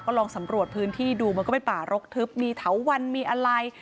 ลองสำรวจพื้นที่ดูมันก็เป็นป่ารกทึบมีเถาวันมีอะไร